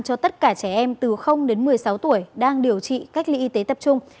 cho tất cả trẻ em từ đến một mươi sáu tuổi đang điều trị cách ly y tế tập trung